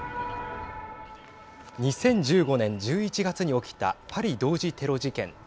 ２０１５年１１月に起きたパリ同時テロ事件。